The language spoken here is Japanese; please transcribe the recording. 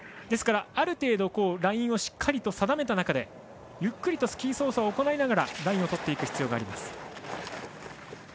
ですから、ある程度ラインをしっかりと定めた中でゆっくりとスキー操作を行いながらラインを取っていく必要があります。